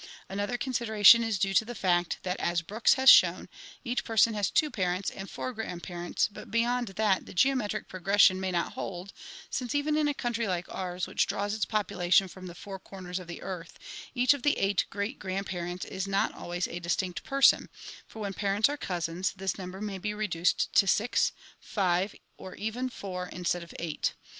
Another consideration is due to the fact that, as Brooks has shown, each person has two parents and four grandparents but beyond that the geometric progression may not hold, since even in a country like ours which draws its population from the four corners of the earth, each of the eight great grandparents is not always a distinct person; for when parents are cousins, this number may be reduced to six, five, or even four instead of eight.